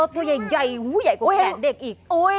ตัวใหญ่ใหญ่กว่าแขนเด็กอีก